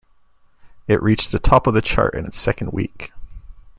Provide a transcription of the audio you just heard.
It reached the top of the chart in its second week.